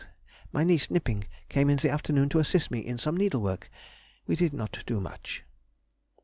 26th._—My niece Knipping came in the afternoon to assist me in some needlework—we did not do much!